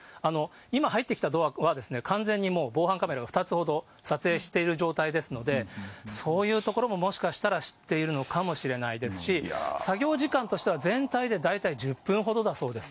今入ってきたドアは、完全に防犯カメラが２つほど撮影している状態ですので、そういうところももしかしたら知っているのかもしれないですし、作業時間としては、全体で大体１０分ほどだそうです。